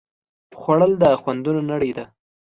خوړل د خوندونو نړۍ ده